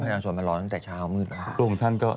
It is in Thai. เออประชาชนมารอตั้งแต่เช้ามืดแล้วครับคุณท่านก็นะครับ